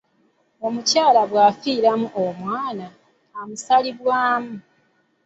Omukyala bwafiiramu omwana, amusalibwamu.